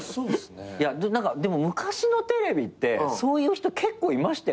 何かでも昔のテレビってそういう人結構いましたよね。